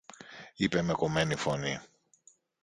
είπε με κομμένη φωνή.